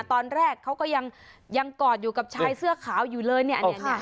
ตอนแรกเขาก็ยังกอดอยู่กับชายเสื้อขาวอยู่เลยเนี่ย